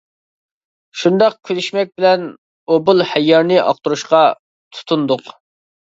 شۇنداق كۈلۈشمەك بىلەن ئوبۇل ھەييارنى ئاقتۇرۇشقا تۇتۇندۇق.